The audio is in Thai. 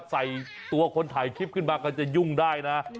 ใส่ตัวคนถ่ายคลิปขึ้นมาก็จะยุ่งได้นะ